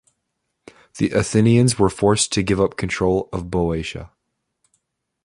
The Athenians were forced to give up control of Boeotia.